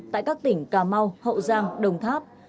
tại các tỉnh cà mau hậu giang đồng tháp